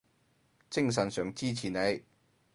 精神上支持你